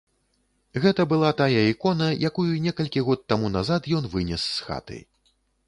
Гэта была тая ікона, якую некалькі год таму назад ён вынес з хаты.